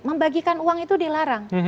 membagikan uang itu dilarang